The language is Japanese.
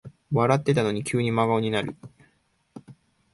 笑ってたのに急に真顔になる